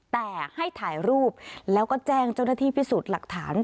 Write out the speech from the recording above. แต่ให้ถ่ายรูปแล้วก็แจ้งเจ้าหน้าที่พิสูจน์หลักฐาน